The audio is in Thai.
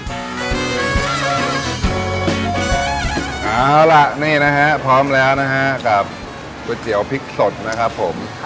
เอาล่ะนี่นะฮะพร้อมแล้วนะฮะกับก๋วยเตี๋ยวพริกสดนะครับผม